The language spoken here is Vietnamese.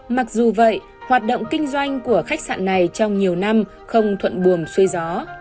mặc dù vậy hoạt động kinh doanh của khách sạn này trong nhiều năm không thuận buồm xuôi gió